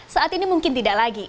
saat ini mungkin tidak lagi